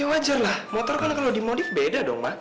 ya wajar lah motor kan kalau dimodif beda dong ma